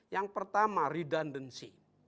yang pertama redundancy